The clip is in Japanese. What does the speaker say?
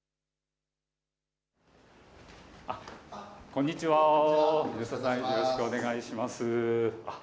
こんにちは、よろしくお願いします。